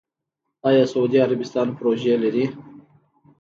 آیا سعودي عربستان پروژې لري؟